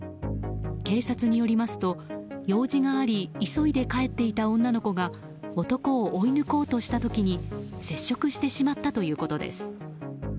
警察によりますと、用事があり急いで帰っていた女の子が男を追い抜こうとした時に接触してしまったということです。